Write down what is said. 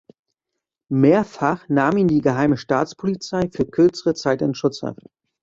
Mehrfach nahm ihn die Geheime Staatspolizei für kürzere Zeit in Schutzhaft.